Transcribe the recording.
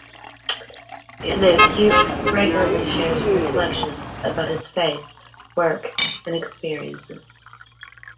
In it, he regularly shares reflections about his faith, work, and experiences.